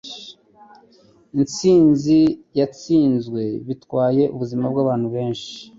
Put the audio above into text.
Intsinzi yatsinzwe bitwaye ubuzima bwabantu benshi.